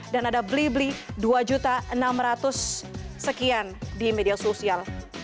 dan ada blibli dua enam ratus sekian di media sosial